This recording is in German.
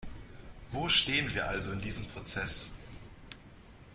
Wo stehen wir also in diesem Prozess?